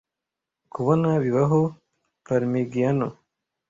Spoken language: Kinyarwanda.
Kubona bibaho. Parmigianino